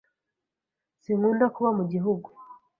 Sinkunda kuba mu gihugu.